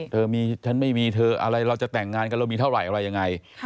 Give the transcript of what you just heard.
ฉันไม่มีเธออะไรเราจะแต่งงานกันเรามีเท่าไหร่อะไรยังไง